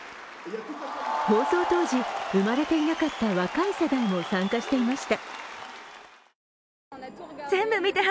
放送当時、生まれていなかった若い世代も参加していました。